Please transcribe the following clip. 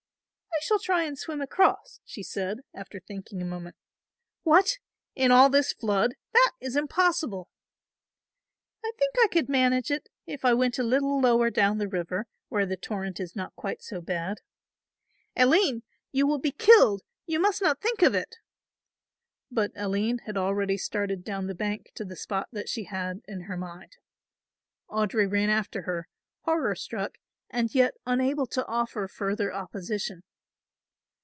"I shall try and swim across," she said, after thinking a moment. "What, in all this flood! That is impossible." "I think I could manage it, if I went a little lower down the river where the torrent is not quite so bad." "Aline, you will be killed; you must not think of it." But Aline had already started down the bank to the spot that she had in her mind. Audry ran after her, horror struck and yet unable to offer further opposition.